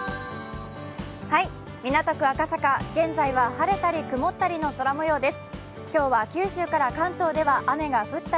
港区赤坂、現在は晴れたり曇ったりの空もようです。